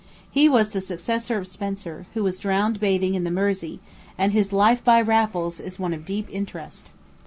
He was the successor of Spencer, who was drowned bathing in the Mersey, and his Life by Raffles is one of deep interest.